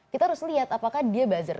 kita harus lihat apakah dia buzzer